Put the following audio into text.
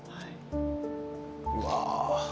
うわ。